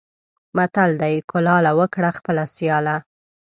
متل دی: کلاله! وکړه خپله سیاله.